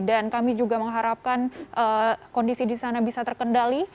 dan kami juga mengharapkan kondisi di sana bisa terkendali